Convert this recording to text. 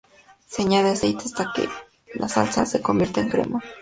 Se añade aceite hasta que la salsa se convierte en crema.